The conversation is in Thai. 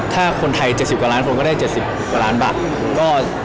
ถ้าคนไทย๗๐กว่าล้านคนก็ได้๗๐กว่าล้านบาท